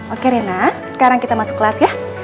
oke rina sekarang kita masuk kelas ya